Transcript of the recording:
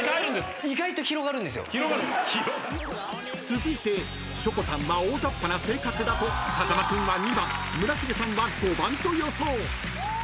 ［続いてしょこたんは大ざっぱな性格だと風間君は２番村重さんは５番と予想］